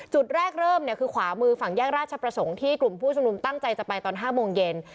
จุดแรกเริ่มเนี่ยคือขวามือฝั่งแยกราชประสงค์ที่กลุ่มผู้ชุมนุมตั้งใจจะไปตอน๕โมงเย็น